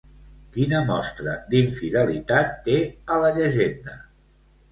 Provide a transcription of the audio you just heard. Quina mostra d'infidelitat té a la llegenda?